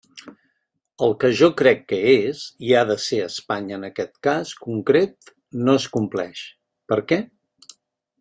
El que jo crec que és i ha de ser Espanya en aquest cas concret no es compleix, ¿per què?